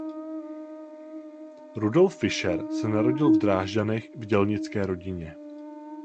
Rudolf Fischer se narodil v Drážďanech v dělnické rodině.